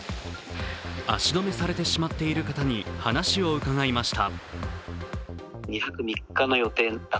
足止めされてしまっている方に話を伺いました。